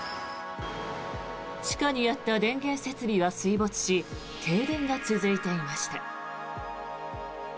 地下にあった電源設備が水没し停電が続いていました。